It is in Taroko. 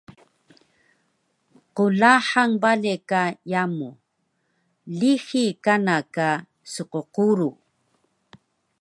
Qlahang bale ka yamu, lixi kana ka sqquru